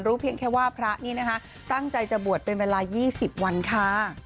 เพียงแค่ว่าพระนี่นะคะตั้งใจจะบวชเป็นเวลา๒๐วันค่ะ